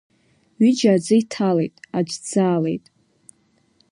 Ҩыџьа аӡы иҭалеит, аӡә дӡаалеит.